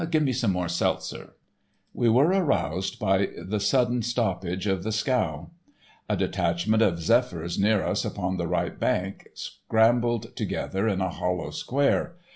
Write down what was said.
Give me some more seltzer." We were aroused by the sudden stoppage of the scow. A detachment of "Zephyrs," near us upon the right bank, scrambled together in a hollow square.